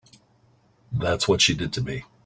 That's what she did to me.